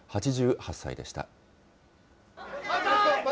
８８歳でした。